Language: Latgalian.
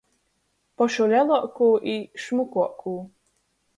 Pošu leluokū i šmukuokū.